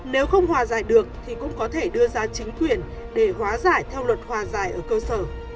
nếu không hòa giải được thì cũng có thể đưa ra chính quyền để hóa giải theo luật hòa giải ở cơ sở